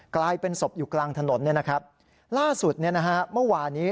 กลายเป็นศพอยู่กลางถนนล่าสุดเมื่อวานี้